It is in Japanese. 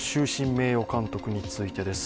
名誉監督についてです。